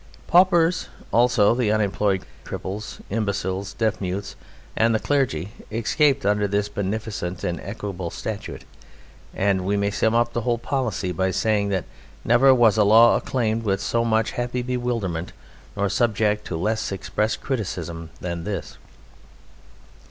Paupers also, the unemployed, cripples, imbeciles, deaf mutes, and the clergy escaped under this beneficent and equable statute, and we may sum up the whole policy by saying that never was a law acclaimed with so much happy bewilderment nor subject to less expressed criticism than this.